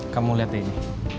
kamu liat deh ini